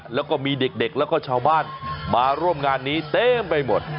แล้วก็มีเด็กแล้วก็ชาวบ้านมาร่วมงานนี้เต็มไปหมด